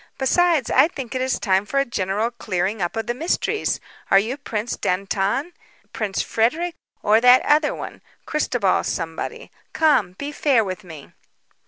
"Besides, I think it is time for a general clearing up of the mysteries. Are you Prince Dantan, Prince Frederic, or that other one Christobal somebody? Come, be fair with me."